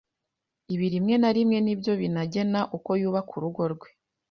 Ibi rimwe na rimwe ni byo binagena uko yubaka urugo rwe